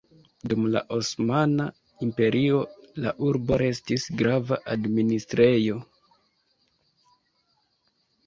Dum la Osmana Imperio la urbo restis grava administrejo.